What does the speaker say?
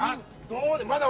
どうだ？